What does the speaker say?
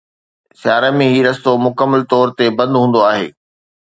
سياري ۾ هي رستو مڪمل طور تي بند هوندو آهي